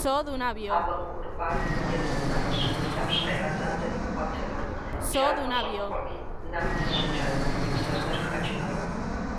Абы къыгурыӀуат езым нэмыщӀ Лъэпщ къеӀэзэн зэримыгъуэтынур, джакӀуэ щӀэпхъуэми, нэмыс щӀыкӀэ, и псэр зэрыхэкӀынур.